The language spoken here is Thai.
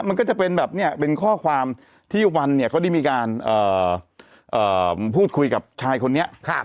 มันก็จะเป็นแบบนี้เป็นข้อความที่วันเนี่ยเขาได้มีการพูดคุยกับชายคนนี้